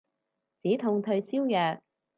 止痛退燒藥